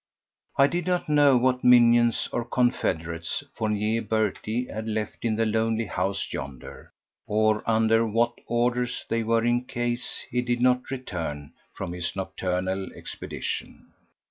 I did not know what minions or confederates Fournier Berty had left in the lonely house yonder, or under what orders they were in case he did not return from his nocturnal expedition.